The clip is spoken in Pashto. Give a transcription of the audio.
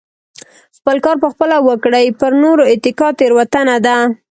خپل کار په خپله وکړئ پر نورو اتکا تيروتنه ده .